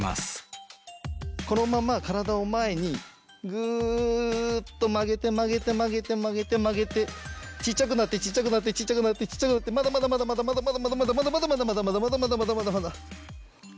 このまま体を前にグっと曲げて曲げて曲げて曲げて曲げてちっちゃくなってちっちゃくなってちっちゃくなってちっちゃくなってまだまだまだまだまだまだ。